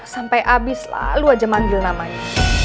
sampai habis lalu aja manggil namanya